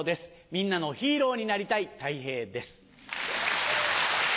みんなのヒーローになりたいたい平です。